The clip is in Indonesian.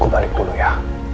gue balik dulu ya